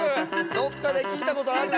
どっかで聴いたことある？